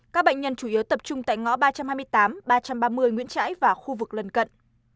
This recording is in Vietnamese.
các bệnh nhân chủ yếu tập trung tại ngõ ba trăm hai mươi tám ba trăm ba mươi nguyễn trãi và khu vực lần cận